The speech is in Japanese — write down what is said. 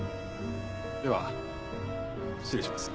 では失礼します。